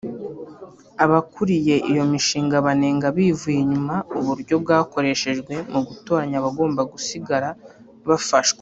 Abakuriye iyo mishinga banenga bivuye inyuma uburyo bwakoreshejwe mu gutoranya abagomba gusigara bafashwa